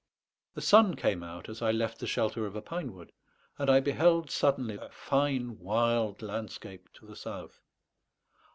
The sun came out as I left the shelter of a pine wood, and I beheld suddenly a fine wild landscape to the south.